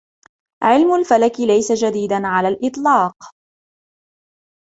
علم الفلك ليس جديدا على الإطلاق.